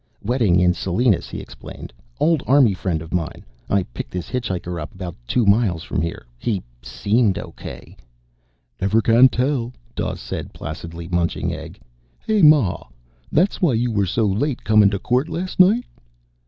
"Wedding in Salinas," he explained. "Old Army friend of mine. I picked this hitchhiker up about two miles from here. He seemed okay." "Never can tell," Dawes said placidly, munching egg. "Hey, Ma. That why you were so late comin' to court last night?"